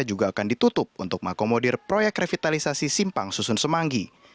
juga akan ditutup untuk mengakomodir proyek revitalisasi simpang susun semanggi